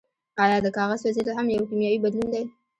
ایا د کاغذ سوځیدل هم یو کیمیاوي بدلون دی